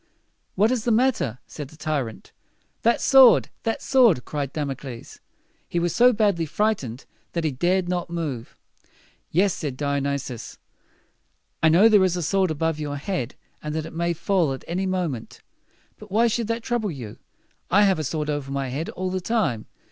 "What is the matter?" said the tyrant. "That sword! that sword!" cried Damocles. He was so badly frightened that he dared not move. "Yes," said Di o nys i us, "I know there is a sword above your head, and that it may fall at any moment. But why should that trouble you? I have a sword over my head all the time.